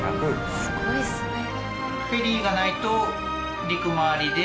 すごいですね。